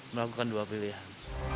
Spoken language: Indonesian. melakukan dua pilihan